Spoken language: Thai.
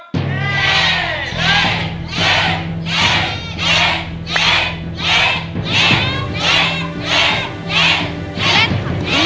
เล่น